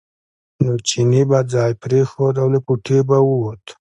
نو چیني به ځای پرېښود او له کوټې به ووت.